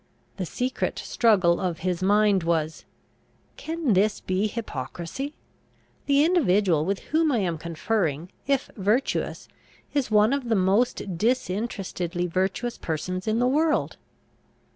The secret struggle of his mind was, "Can this be hypocrisy? The individual with whom I am conferring, if virtuous, is one of the most disinterestedly virtuous persons in the world."